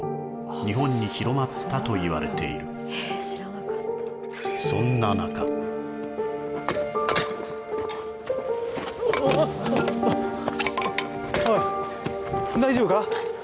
日本に広まったといわれているそんな中おい大丈夫か？